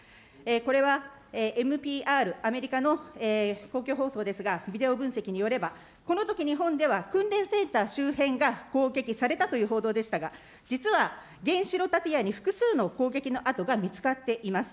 これはＮＰＲ、アメリカの公共放送ですが、ビデオ分析によれば、このとき日本では訓練センター周辺が攻撃されたという報道でしたが、実は原子炉建屋に複数の攻撃の跡が見つかっています。